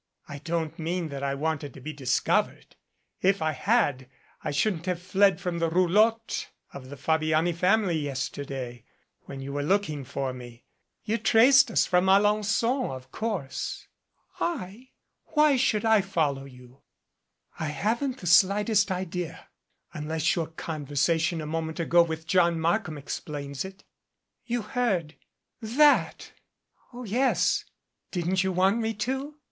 "I don't mean that I wanted to be discovered. If I had I shouldn't have fled from the roulotte of the Fabi ani family yesterday when you were looking for me. You traced us from Alen^on, of course " "I? Why should I follow you?" "I haven't the slightest idea unless your conversa tion a moment ago with John Markham explains it." "You heard that!" "Oh, yes, didn't you want me to?